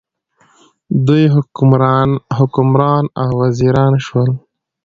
دوی حکمران او وزیران شول.